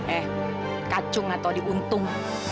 eh kacung atau diuntung